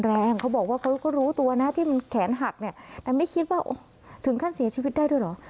เขาบอกว่าเขาก็รู้ตัวนะที่มันแขนหักเนี่ยแต่ไม่คิดว่าถึงขั้นเสียชีวิตได้ด้วยเหรอ